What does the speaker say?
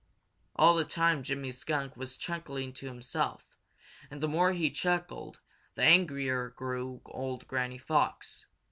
All the time Jimmy Skunk was chuckling to himself, and the more he chuckled the angrier grew old Granny Fox.